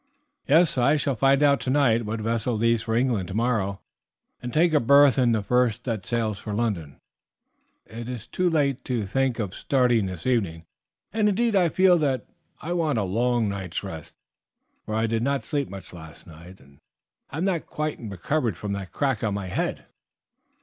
"Yes, I shall find out tonight what vessel leaves for England tomorrow, and take a berth in the first that sails for London. It is too late to think of starting this evening, and indeed I feel that I want a long night's rest, for I did not sleep much last night, and have not quite recovered from that crack on my head."